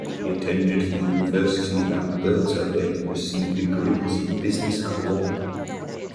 He attended the University of Alberta where he received degrees in business and law.